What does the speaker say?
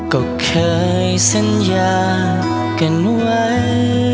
ก็เคยสัญญากันไว้